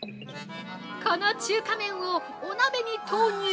◆この中華麺をお鍋に投入。